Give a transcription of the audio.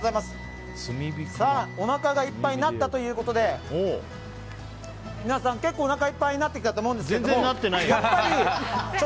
おなかがいっぱいになったということで皆さん、結構おなかいっぱいになったと思うんですが全然なってないよ！